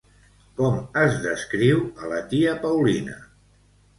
Com es descriu a la tia Paulina?